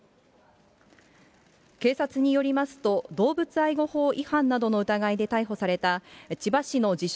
警察によりますと、動物愛護法違反などの疑いで逮捕された、千葉市の自称